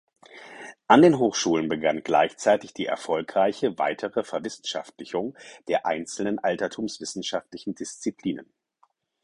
An den Hochschulen begann gleichzeitig die erfolgreiche weitere Verwissenschaftlichung der einzelnen altertumswissenschaftlichen Disziplinen.